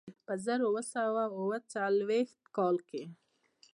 په زر اووه سوه اوه څلوېښت کال کې.